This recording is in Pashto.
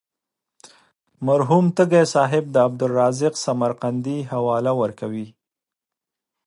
مرحوم تږی صاحب د عبدالرزاق سمرقندي حواله ورکوي.